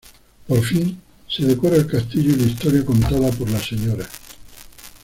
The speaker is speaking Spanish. Por fin, se decora el castillo y la historia contada por la Sra.